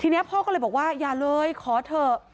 ทีนี้พ่อก็เลยบอกว่าอย่าเลยขอเถอะ